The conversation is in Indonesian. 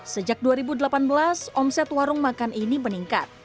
sejak dua ribu delapan belas omset warung makan ini meningkat